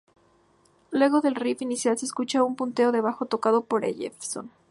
Luego del riff inicial se escucha un punteo de bajo tocado por Ellefson.